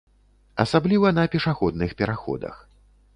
Асабліва на пешаходных пераходах.